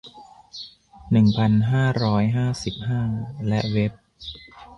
หนึ่งพันห้าร้อยห้าสิบห้า และเว็บ